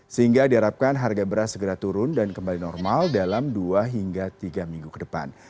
sehingga diharapkan harga beras segera turun dan kembali normal dalam dua hingga tiga minggu ke depan